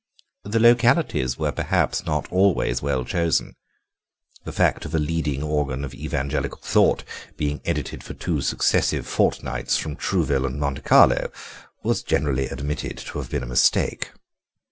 The localities were perhaps not always well chosen; the fact of a leading organ of Evangelical thought being edited for two successive fortnights from Trouville and Monte Carlo was generally admitted to have been a mistake.